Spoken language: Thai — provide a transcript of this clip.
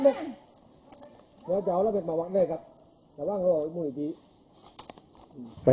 เหลืองเท้าอย่างนั้น